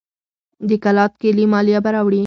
د کلات کلي مالیه به راوړي.